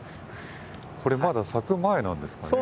これまだ咲く前なんですかね。